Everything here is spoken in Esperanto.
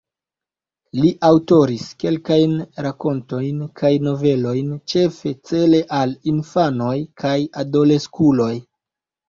Li aŭtoris kelkajn rakontojn kaj novelojn, ĉefe cele al infanoj kaj adoleskuloj.